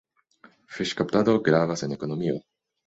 Fiŝkaptado gravas en ekonomio.